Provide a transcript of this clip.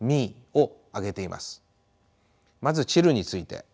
まずチルについて。